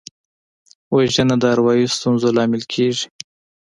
وژنه د اروايي ستونزو لامل کېږي